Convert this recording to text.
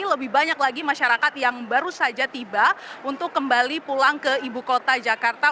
lebih banyak lagi masyarakat yang baru saja tiba untuk kembali pulang ke ibu kota jakarta